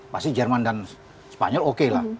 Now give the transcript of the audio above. pasti jerman dan spanyol oke lah